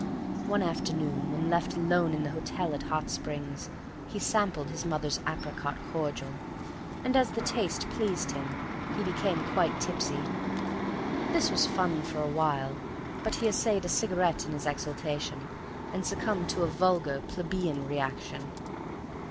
One afternoon, when left alone in the hotel at Hot Springs, he sampled his mother's apricot cordial, and as the taste pleased him, he became quite tipsy. This was fun for a while, but he essayed a cigarette in his exaltation, and succumbed to a vulgar, plebeian reaction.